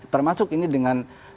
termasuk ini dengan